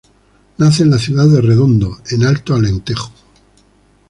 Nace en la ciudad de Redondo, en Alto Alentejo.